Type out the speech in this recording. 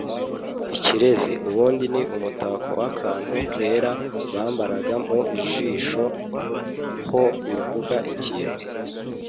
ikirezi: ubundi ni umutako w’akantu kera bambaraga mu ijosi ho bivuga ikintu